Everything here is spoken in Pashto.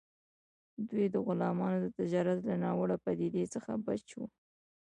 دوی د غلامانو د تجارت له ناوړه پدیدې څخه بچ وو.